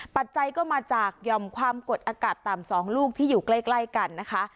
ปัจจัยก็มาจากยอมความกดอากาศต่ำ๒ลูกที่อยู่ใกล้กันนะคะ